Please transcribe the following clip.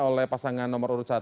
oleh pasangan nomor urut satu